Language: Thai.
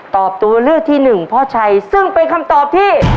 ตัวเลือกที่หนึ่งพ่อชัยซึ่งเป็นคำตอบที่